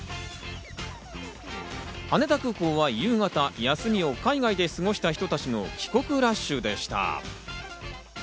羽田空港は夕方、休みを海外で過ごした人たちの帰国ラッシュでした。